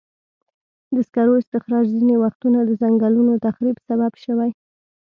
د سکرو استخراج ځینې وختونه د ځنګلونو تخریب سبب شوی.